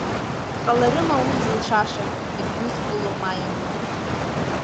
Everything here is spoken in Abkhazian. Дҟаларыма уи зылшаша, игәнызкыло ма иану?